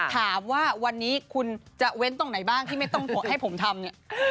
ถามว่าวันนี้คุณจะเว้นตรงไหนบ้างที่ไม่ต้องให้ผมทำเนี่ย